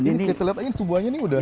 ini terlihat aja sebuahnya nih udah